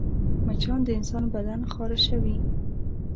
مچان د انسان بدن خارشوي